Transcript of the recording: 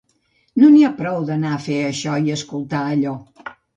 No n’hi ha prou d’anar a fer això i escoltar allò.